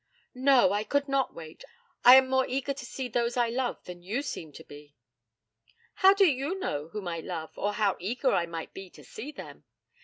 'No, I could not wait. I am more eager to see those I love than you seem to be.' 'How do you know whom I love, or how eager I might be to see them?